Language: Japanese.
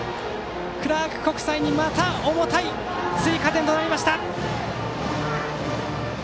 クラーク国際にまた重たい追加点となりました。